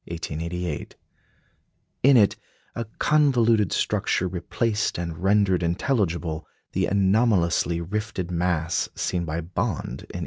In it a convoluted structure replaced and rendered intelligible the anomalously rifted mass seen by Bond in 1847.